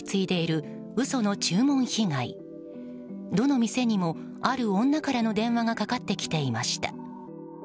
どの店にも、ある女からの電話がかかってきていました。